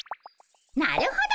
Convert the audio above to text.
なるほど。